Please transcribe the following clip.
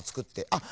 あっ！